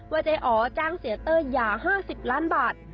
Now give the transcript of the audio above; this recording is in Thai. เจ๊อ๋อจ้างเสียเต้ยหย่า๕๐ล้านบาท